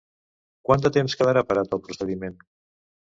Quant de temps quedarà parat el procediment?